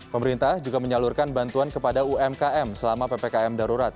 pemerintah juga menyalurkan bantuan kepada umkm selama ppkm darurat